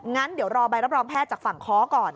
งั้นเดี๋ยวรอใบรับรองแพทย์จากฝั่งค้อก่อน